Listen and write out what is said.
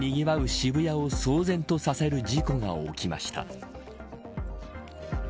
渋谷を騒然とさせる事故が起きました。